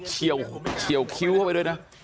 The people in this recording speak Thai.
เฉียวคิ้วเข้าไปด้วยนะ